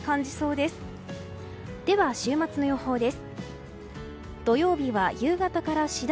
では、週末の予報です。